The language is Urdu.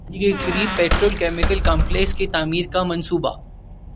چین کا کراچی کے قریب پیٹرو کیمیکل کمپلیکس کی تعمیر کا منصوبہ